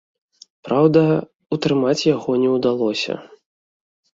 Праўда, утрымаць яго не ўдалося.